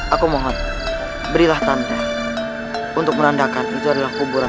aku mohon berilah tanda untuk merendahkan kejadilan kuburan